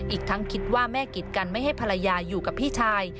อีกทั้งคิดว่าแม่กิดกันไม่ให้ภรรยาอยู่กับพี่ชาย